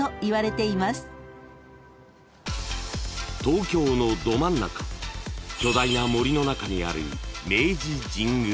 ［東京のど真ん中巨大な森の中にある］